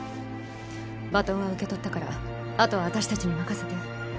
バトンは受け取ったからあとは私たちに任せて。